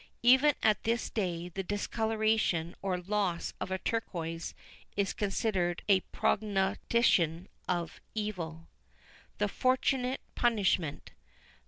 Even at this day, the discoloration or loss of a turquoise is considered a prognostication of evil. THE FORTUNATE PUNISHMENT.